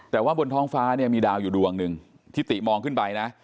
แต่ว่าบนท้องฟ้าเนี่ยมีดาวอยู่ดวงหนึ่งที่ติมองขึ้นไปนะ